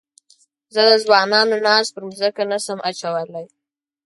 زه د ځوانانو ناز پر مځکه نه شم اچولای.